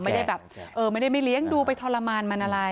ไม่ได้แบบเออไม่ได้ไม่เลี้ยงดูไปทรมานมันอะไร